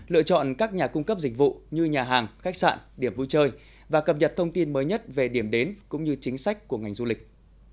lựa chọn các nhà cung cấp dịch vụ như nhà hàng khách sạn điểm vui chơi và cập nhật thông tin mới nhất về điểm đến cũng như chính sách của ngành du lịch